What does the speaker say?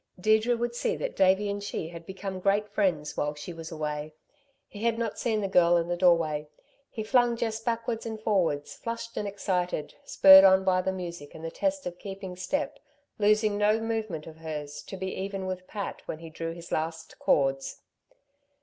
Deirdre would see that Davey and she had become great friends while she was away. He had not seen the girl in the doorway. He flung Jess backwards and forwards, flushed and excited, spurred on by the music and the test of keeping step, losing no movement of hers, to be even with Pat when he drew his last chords.